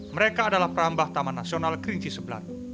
mereka adalah perambah taman nasional kerinci sebelah